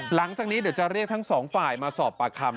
หลังจากนี้เดี๋ยวจะเรียกทั้งสองฝ่ายมาสอบปากคำ